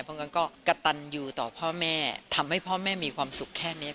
เพราะงั้นก็กระตันอยู่ต่อพ่อแม่ทำให้พ่อแม่มีความสุขแค่นี้